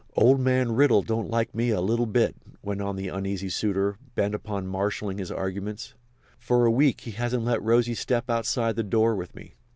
"Old man Riddle don't like me a little bit," went on the uneasy suitor, bent upon marshalling his arguments. "For a week he hasn't let Rosy step outside the door with me.